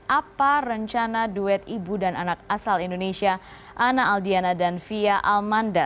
apa rencana duet ibu dan anak asal indonesia ana aldiana dan fia almanda